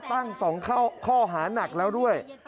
ตั้ง๒ข้อหานักแล้วด้วย